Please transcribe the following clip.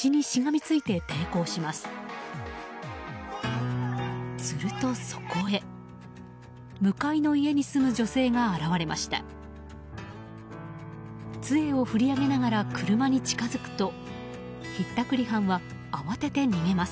つえを振り上げながら車に近づくとひったくり犯は慌てて逃げます。